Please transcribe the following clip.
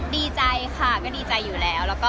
ดีใจค่ะก็ดีใจอยู่แล้ว